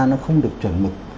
nó không được chuẩn mực